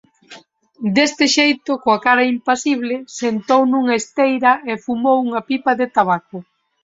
Deste xeito, coa cara impasible, sentou nunha esteira e fumou unha pipa de tabaco.